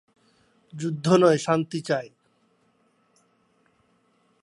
তাঁর পিতামহ ছিলেন উমাইয়া বংশ ও রাজবংশের পূর্বসূরী।